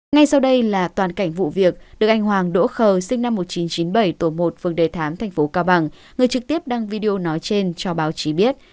ngay sau đây là toàn cảnh vụ việc được anh hoàng đỗ khờ sinh năm một nghìn chín trăm chín mươi bảy tổ một phương đề thám thành phố cao bằng người trực tiếp đăng video nói trên cho báo chí biết